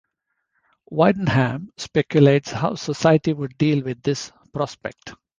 Wyndham speculates how society would deal with this prospect.